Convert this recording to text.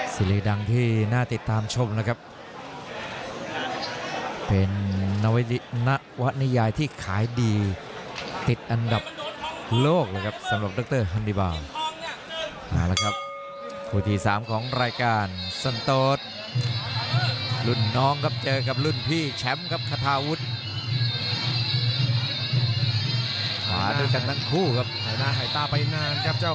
สายหน้าพยายามจะเตะด้วยขวาครับเจอส่อขวาของธนาฬิกา